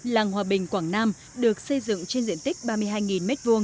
làng hòa bình quảng nam được xây dựng trên diện tích ba mươi hai m hai